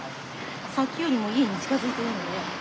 さっきよりも家に近づいているので。